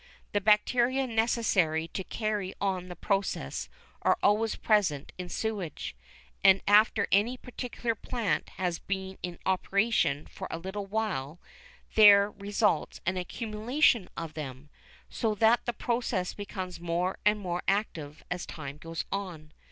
The bacteria necessary to carry on the process are always present in sewage, and after any particular plant has been in operation for a little while there results an accumulation of them, so that the process becomes more and more active as time goes on.